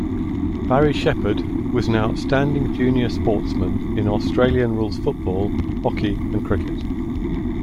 Barry Shepherd was an outstanding junior sportsman in Australian rules football, hockey and cricket.